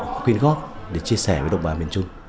khuyên góp để chia sẻ với đồng bà miền trung